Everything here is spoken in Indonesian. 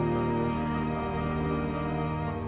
lalu kita mimpi mimpi dengan nenek kita